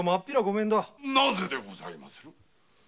なぜでございます？